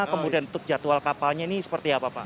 kemudian untuk jadwal kapalnya ini seperti apa pak